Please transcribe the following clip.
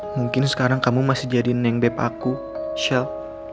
mungkin sekarang kamu masih jadi nengbe aku shell